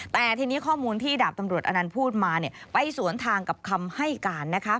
แต่ทีนี้ข้อมูลที่ดาบตำรวจอนันต์พูดมาไปสวนทางกับคำให้การนะคะ